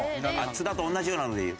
津田と同じようなのでいい。